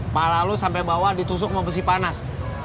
malah lu sampe bawah ditusuk mau besi panas